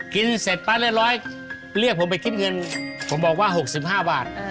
กินเสร็จป๊าเล่นร้อยเรียกผมไปคิดเงินผมบอกว่าหกสิบห้าบาท